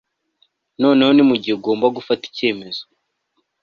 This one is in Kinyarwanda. Noneho ni mugihe ugomba gufata icyemezo